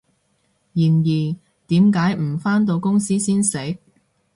然而，點解唔返到公司先食？